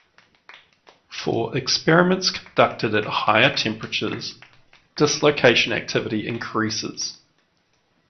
For experiments conducted at higher temperatures, dislocation activity increases.